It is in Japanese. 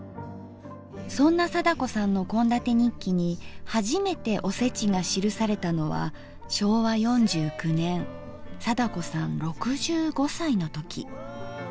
そんな貞子さんの献立日記に初めておせちが記されたのは昭和４９年貞子さん６５歳の時。